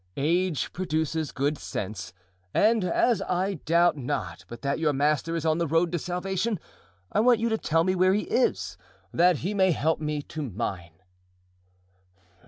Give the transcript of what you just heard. Age produces good sense, and, as I doubt not but that your master is on the road to salvation, I want you to tell me where he is, that he may help me to mine."